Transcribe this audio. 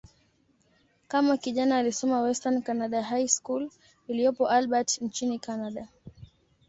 Kama kijana, alisoma "Western Canada High School" iliyopo Albert, nchini Kanada.